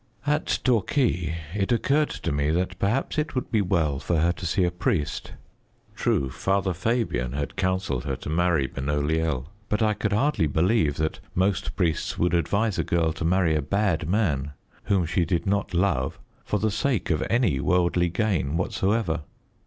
At Torquay it occurred to me that perhaps it would be well for her to see a priest. True, Father Fabian had counselled her to marry Benoliel, but I could hardly believe that most priests would advise a girl to marry a bad man, whom she did not love, for the sake of any worldly gain whatsoever.